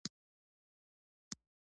د طبیعي پیښو وزارت بیړنۍ مرستې کوي